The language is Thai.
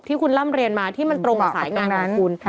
ที่คุณล่ำเรียนมาที่มันตรงกับสายงานของคุณ